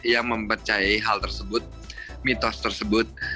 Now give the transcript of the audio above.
yang mempercayai hal tersebut mitos tersebut